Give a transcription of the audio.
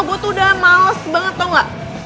gua tuh udah males banget tau ga